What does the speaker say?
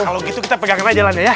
kalau gitu kita pegangin aja aja aja ya